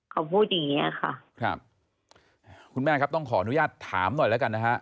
เขาพูดอย่างเงี้ยค่ะครับคุณแม่ครับต้องขออนุญาตถามหน่อยแล้วกันนะฮะ